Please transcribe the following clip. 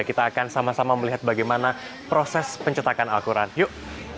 kita akan sama sama melihat bagaimana proses pencetakan al quran yuk